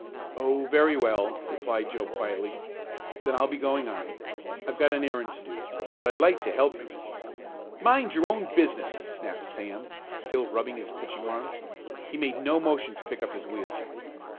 "Oh, very well," replied Joe quietly. "Then I'll be going on. I've got an errand to do. But I'd like to help you." "Mind your own business!" snapped Sam, still rubbing his pitching arm. He made no motion to pick up his wheel.